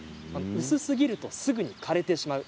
薄すぎるとすぐに枯れてしまう。